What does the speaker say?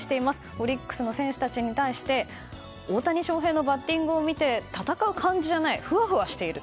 オリックスの選手たちに対して大谷翔平のバッティングを見て戦う感じじゃないふわふわしている。